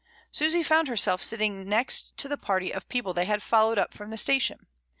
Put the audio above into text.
Susy foimd herself sitting next to the party of people they had followed up from the station.